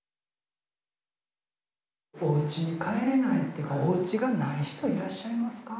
おうちに帰れないおうちがない人いらっしゃいますか？